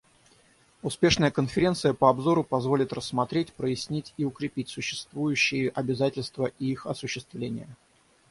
Успешная Конференция по обзору позволит рассмотреть, прояснить и укрепить существующие обязательства и их осуществление.